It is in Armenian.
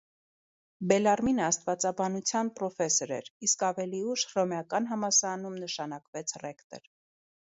Բելարմինը աստվածաբանության պրոֆեսոր էր, իսկ ավելի ուշ հռոմեական համալսարանում նշանակվեց ռեկտոր։